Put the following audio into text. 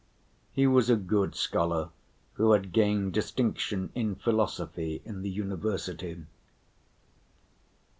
He was a good scholar who had gained distinction in philosophy in the university.